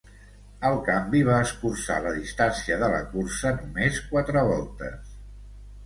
El canvi va escurçar la distància de la cursa només quatre voltes.